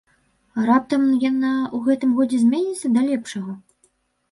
А раптам яна ў гэтым годзе зменіцца да лепшага?